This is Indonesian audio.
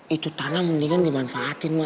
itu tanah mendingan dimanfaatin